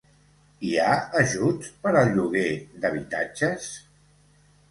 Hi ha ajuts per al lloguer d'habitatges?